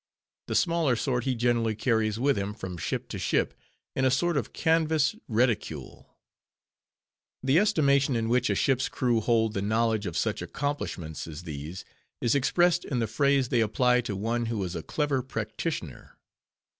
The smaller sort he generally carries with him from ship to ship in a sort of canvas reticule. The estimation in which a ship's crew hold the knowledge of such accomplishments as these, is expressed in the phrase they apply to one who is a clever practitioner.